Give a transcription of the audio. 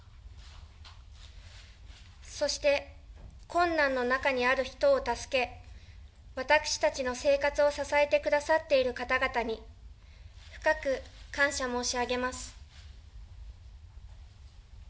そして、困難の中にある人を助け、私たちの生活を支えてくださっている方々に、深く感謝申し上げます。